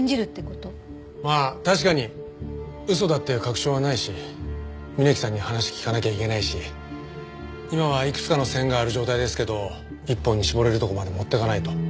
まあ確かに嘘だっていう確証はないし峯木さんに話聞かなきゃいけないし今はいくつかの線がある状態ですけど一本に絞れるところまで持っていかないと。